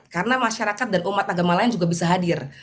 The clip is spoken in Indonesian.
karena masyarakat dan umat agama lain juga bisa hadir